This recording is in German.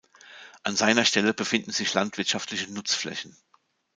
An seiner Stelle befinden sich landwirtschaftliche Nutzflächen.